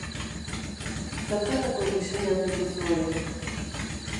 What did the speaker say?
Zertarako diseinatu duzu hori?